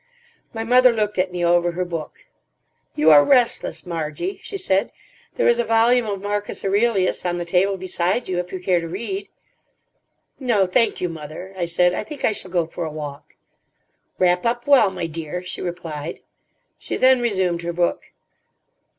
My mother looked at me over her book. "You are restless, Margie," she said. "There is a volume of Marcus Aurelius on the table beside you, if you care to read." "No, thank you, mother," I said. "I think I shall go for a walk." "Wrap up well, my dear," she replied. She then resumed her book.